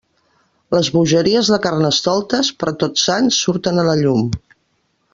Les bogeries de Carnestoltes, per Tots Sants surten a la llum.